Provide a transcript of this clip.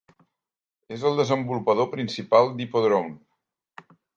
És el desenvolupador principal d'HippoDraw.